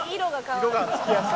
色がつきやすい？